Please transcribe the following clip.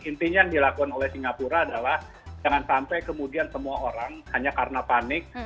intinya yang dilakukan oleh singapura adalah jangan sampai kemudian semua orang hanya karena panik